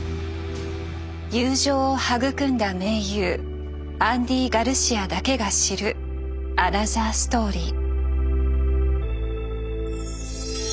友情を育んだ名優アンディ・ガルシアだけが知るアナザーストーリー。